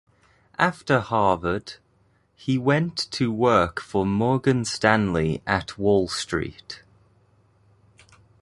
After Harvard, he went to work for Morgan Stanley at Wall Street.